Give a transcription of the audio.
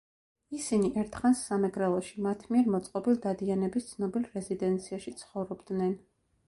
ისინი ერთხანს სამეგრელოში, მათ მიერ მოწყობილ დადიანების ცნობილ რეზიდენციაში ცხოვრობდნენ.